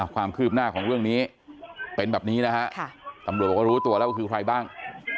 ความคืบหน้าของเรื่องนี้เป็นแบบนี้นะฮะตำรวจก็รู้ตัวแล้วว่าคือใครบ้าง